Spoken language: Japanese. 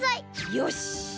よし！